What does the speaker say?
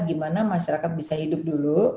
gimana masyarakat bisa hidup dulu